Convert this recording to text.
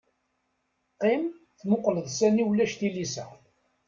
Qqim tmuqleḍ sani ulac tilisa.